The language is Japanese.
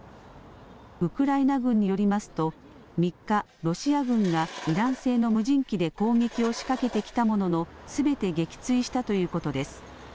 ウクライナ軍によりますと３日、ロシア軍がイラン製の無人機で攻撃を仕掛けてきたもののすべて撃墜したということです。